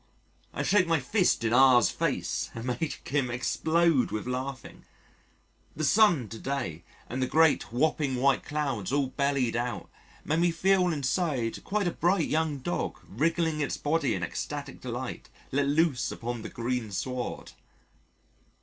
I shake my fist in R 's face and make him explode with laughing.... The sun to day, and the great, whopping white clouds all bellied out, made me feel inside quite a bright young dog wriggling its body in ecstatic delight let loose upon the green sward.